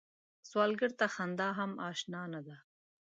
سوالګر ته خندا هم اشنا نه ده